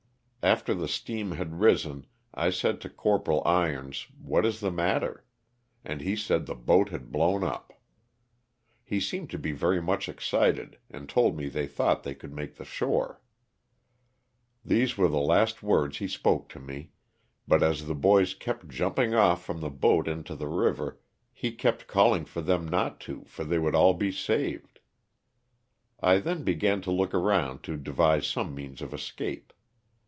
After the steam had risen I said to Corporal Irons what is the matter? and he said the boat had blown up. He seemed to bo very much excited, and told me they thought they could make the shore. These were the last words he spoke to me, but as the boys kept jumping off from the boat into the river he kept calling for them not to for they would all be saved. I then began to look around to devise some means of escape.